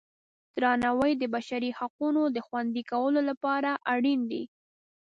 درناوی د بشري حقونو د خوندي کولو لپاره اړین دی.